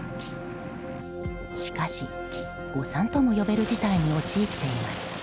しかし誤算とも呼べる事態に陥っています。